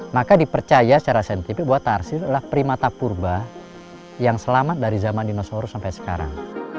maka dipercaya secara saintifik bahwa tarsir adalah primata purba yang selamat dari zaman dinosaurus sampai sekarang